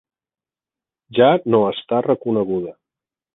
Ja no està reconeguda.